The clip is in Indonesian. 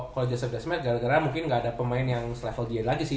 kalau josep basement gara gara mungkin gak ada pemain yang selevel dia lagi sih